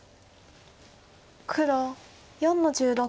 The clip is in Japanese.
黒４の十六。